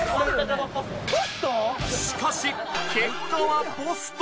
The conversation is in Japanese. しかし結果はポスト。